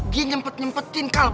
dia nyempet nyempetin kal